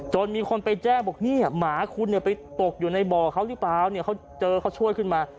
มีคนไปแจ้งบอกเนี่ยหมาคุณไปตกอยู่ในบ่อเขาหรือเปล่าเนี่ยเขาเจอเขาช่วยขึ้นมา